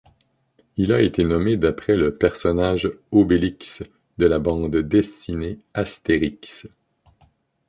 Il a été nommé d'après le personnage Obélix de la bande dessinée Astérix.